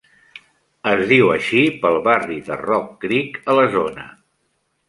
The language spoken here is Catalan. Es diu així pel barri de Rock Creek a la zona.